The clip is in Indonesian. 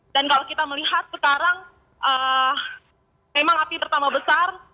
dan kalau kita melihat sekarang memang api bertambah besar